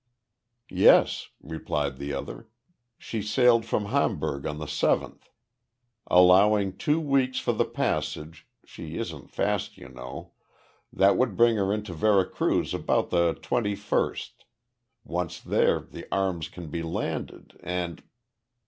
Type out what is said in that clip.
"Yes," replied the other. "She sailed from Hamburg on the seventh. Allowing two weeks for the passage she isn't fast, you know that would bring her into Vera Cruz about the twenty first. Once there, the arms can be landed and...."